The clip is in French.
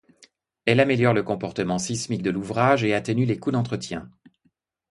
Elle améliore le comportement sismique de l'ouvrage et atténue les coûts d'entretien.